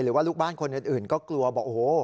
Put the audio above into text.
หรือว่าลูกบ้านคนอื่นก็กลัวบอกโอ้โฮ